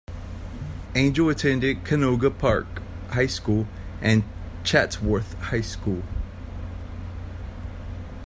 Angel attended Canoga Park High School and Chatsworth High School.